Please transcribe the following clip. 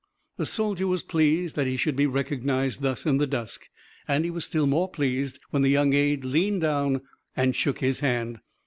The soldier was pleased that he should be recognized thus in the dusk, and he was still more pleased when the young aide leaned down and shook his hand.